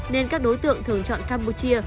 nên các đối tượng thường chọn campuchia